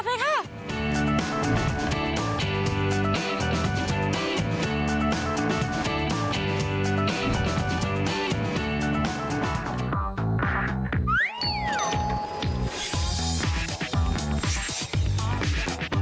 ฝันสงสัย